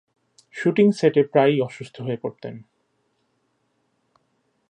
Shooting সেটে প্রায়ই অসুস্থ হয়ে পড়তেন।